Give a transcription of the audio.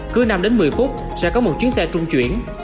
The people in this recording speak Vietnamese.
cứ năm đến một mươi phút sẽ có một chuyến xe trung chuyển